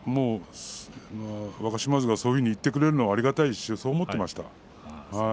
若嶋津がそういうふうに言ってくれるのはありがたいしそう思っていました。